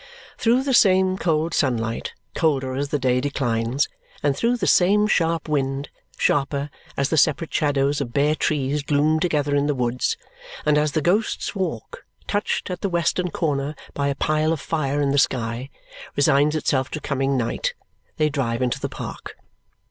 Through the same cold sunlight, colder as the day declines, and through the same sharp wind, sharper as the separate shadows of bare trees gloom together in the woods, and as the Ghost's Walk, touched at the western corner by a pile of fire in the sky, resigns itself to coming night, they drive into the park.